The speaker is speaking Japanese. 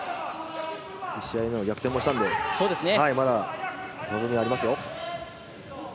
１試合目は逆点もしたので、まだ望みはありますよ。